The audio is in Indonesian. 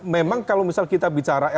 memang kalau misalnya kita bicara elektronik